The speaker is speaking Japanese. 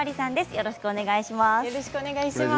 よろしくお願いします。